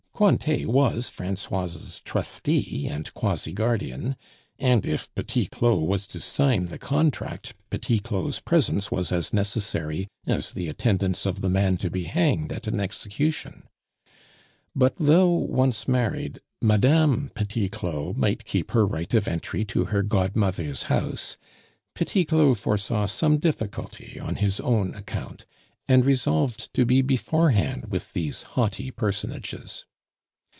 Cointet was Francoise's trustee and quasi guardian; and if Petit Claud was to sign the contract, Petit Claud's presence was as necessary as the attendance of the man to be hanged at an execution; but though, once married, Mme. Petit Claud might keep her right of entry to her godmother's house, Petit Claud foresaw some difficulty on his own account, and resolved to be beforehand with these haughty personages.